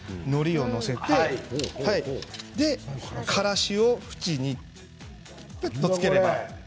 のりを載せて、からしを縁にきゅっとつければ。